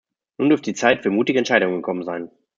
Nun dürfte die Zeit für mutige Entscheidungen gekommen sein.